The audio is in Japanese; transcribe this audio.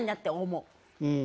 うん。